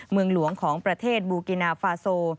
เมืองหลวงของประเทศบูกินาฟาโซ